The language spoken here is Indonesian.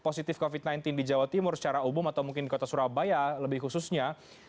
positif covid sembilan belas di jawa timur secara umum atau mungkin di kota surabaya lebih khususnya